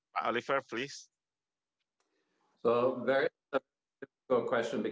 pak oliver silakan